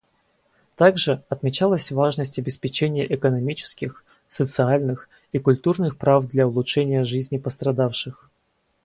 Также отмечалась важность обеспечения экономических, социальных и культурных прав для улучшения жизни пострадавших.